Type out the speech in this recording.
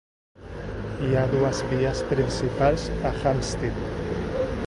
Hi ha dues vies principals a Hampstead.